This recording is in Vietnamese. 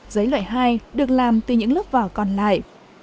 giấy loại hai được làm từ những lớp vỏ còn lại